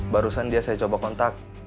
barusan dia saya coba kontak